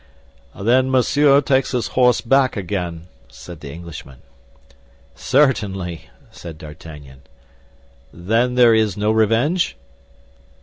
"Then Monsieur takes his horse back again," said the Englishman. "Certainly," said D'Artagnan. "Then there is no revenge?"